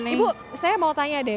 nah ibu saya mau tanya deh